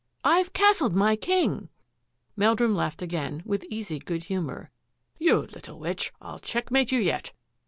" I've castled my king !" Meldrum laughed again with easy good humour. " You little witch, I'll checkmate you yet